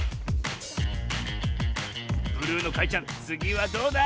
ブルーのかいちゃんつぎはどうだ？